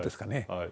はい。